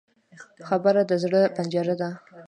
خبره د زړه پنجره ده